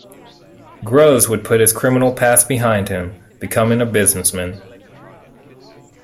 Grose would put his criminal past behind him, becoming a businessman.